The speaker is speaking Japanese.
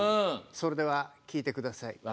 それでは聞いてください。